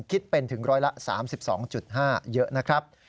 คิดเป็นถึงร้อยละ๓๒๕เยอะนะครับ